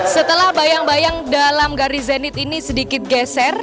setelah bayang bayang dalam garis zenit ini sedikit geser